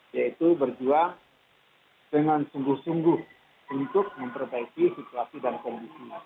yaitu berjuang dengan sungguh sungguh untuk memperbaiki situasi dan kondisinya